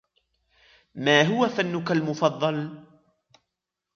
ما هو فنك المفضل ؟